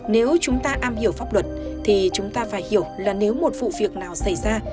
nếu chúng ta am hiểu pháp luật thì chúng ta phải hiểu là nếu một vụ việc nào xảy ra